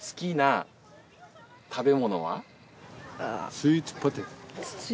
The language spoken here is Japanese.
スイートポテト。